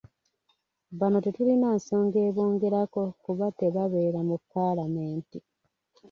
Bano tetulina nsonga ebongerako kuba tebabeera mu Paalamenti.